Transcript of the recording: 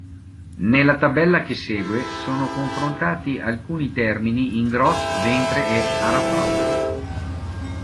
Nella tabella che segue sono confrontati alcuni termini in gros ventre e arapaho.